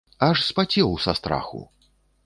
Аж спацеў са страху!